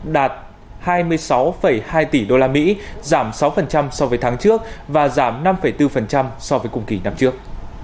đạt hai mươi sáu hai tỷ usd giảm sáu so với tháng trước và giảm năm bốn so với cùng kỳ năm trước